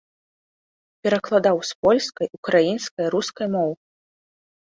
Перакладаў з польскай, украінскай, рускай моў.